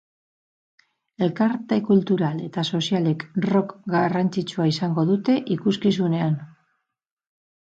Elkarte kultural eta sozialek rok garrantzitsua izango dute ikuskizunean.